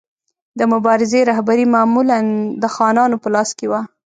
د مبارزې رهبري معمولا د خانانو په لاس کې وه.